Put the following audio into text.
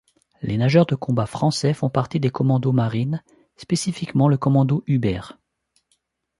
Les nageurs de combat français font partie des commandos marine, spécifiquement le commando Hubert.